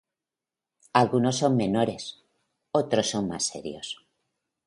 Algunos son menores, otros son más serios.